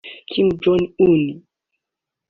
Kim Jong Un